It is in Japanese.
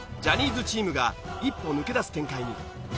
ジャニーズチームが一歩抜け出す展開に。